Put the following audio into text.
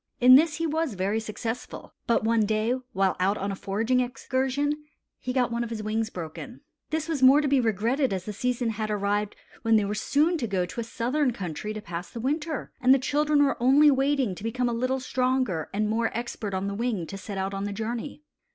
In this he was very successful. But one day, while out on a foraging excursion, he got one of his wings broken. This was more to be regretted as the season had arrived when they were soon to go to a southern country to pass the winter, and the children were only waiting to become a little stronger and more expert on the wing to set out on the journey.